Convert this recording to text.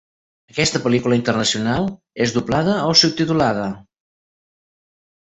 Aquesta pel·lícula internacional és doblada o subtitulada?